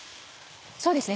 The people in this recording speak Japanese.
そうですね。